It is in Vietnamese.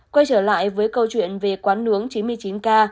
quay trở lại với câu chuyện về quán nướng chín mươi chín k